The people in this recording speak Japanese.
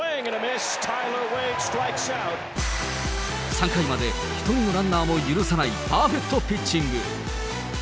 ３回まで一人のランナーも許さないパーフェクトピッチング。